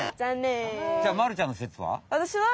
じゃあまるちゃんのせつは？